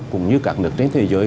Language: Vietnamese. cũng như các nước trên thế giới